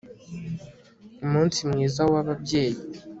Umunsi mwiza wababyeyi